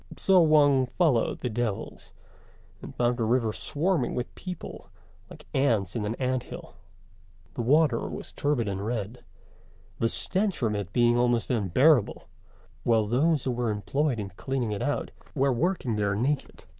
So Wang followed the devils, and found the river swarming with people like ants in an ant hill. The water was turbid and red, the stench from it being almost unbearable, while those who were employed in cleaning it out were working there naked.